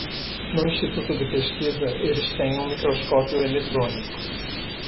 No instituto de pesquisa, eles têm um microscópio eletrônico.